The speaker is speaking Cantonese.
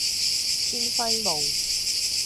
天暉路